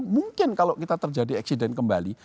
mungkin kalau kita terjadi eksiden kembali